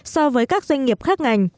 so với các doanh nghiệp khác ngành